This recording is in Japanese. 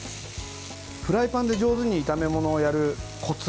フライパンで上手に炒め物をやるコツ。